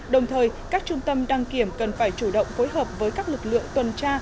đồng thời các trung tâm đăng kiểm cần phải chủ động phối hợp với các lực lượng tuần tra